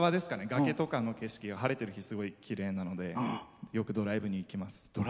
崖側とかの景色が晴れてる日、すごいきれいなのでよくドライブに行きます。